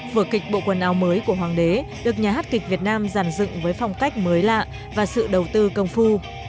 vở kịch bộ quần áo mới của hoàng đế được nhà hát kịch việt nam giàn dựng với phong cách mới lạ và sự đầu tư công phu